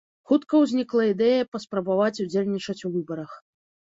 Хутка ўзнікла ідэя паспрабаваць удзельнічаць у выбарах.